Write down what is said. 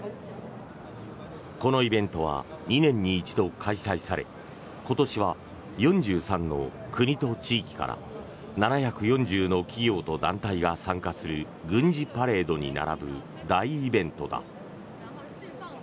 このイベントは２年に一度開催され今年は４３の国と地域から７４０の企業と団体が参加する軍事パレードに並ぶ大イベントだ。